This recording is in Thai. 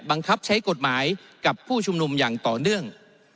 บังคับใช้กฎหมายกับผู้ชุมนุมอย่างต่อเนื่อง